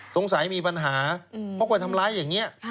สงสัยมีปัญหาเพราะกลัวทำร้ายอย่างนี้